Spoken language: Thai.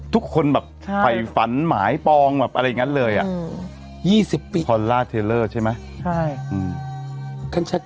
ทุกคนแบบไฟฝันหมาไอปองแบบอะไรอย่างนั้นเลยพอลล่าเทลเลอร์ใช่ไหมใช่